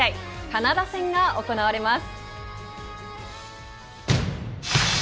カナダ戦が行われます。